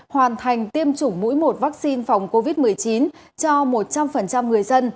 hoàn thành tiêm chủng mũi một vaccine phòng covid một mươi chín cho một trăm linh người dân